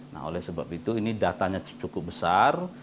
nah oleh sebab itu ini datanya cukup besar